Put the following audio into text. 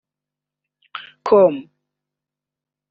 com